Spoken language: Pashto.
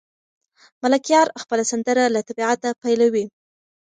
ملکیار خپله سندره له طبیعته پیلوي.